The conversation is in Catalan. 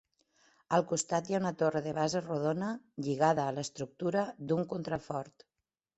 Al costat hi ha una torre de base rodona lligada a l'estructura d'un contrafort.